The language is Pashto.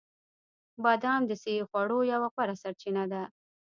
بادام د صحي خوړو یوه غوره سرچینه ده.